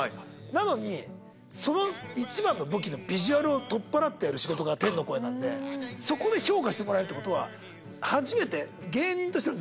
なのに一番の武器のビジュアルを取っぱらってやる仕事が天の声なんでそこで評価してもらえるってことは。